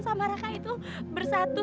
sama raka itu bersatu